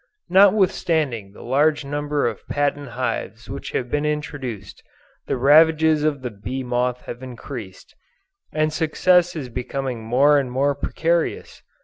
Notwithstanding the large number of patent hives which have been introduced, the ravages of the bee moth have increased, and success is becoming more and more precarious.